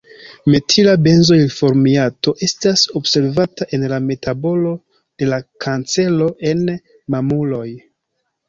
Metila benzoilformiato estas observata en la metabolo de la kancero en mamuloj.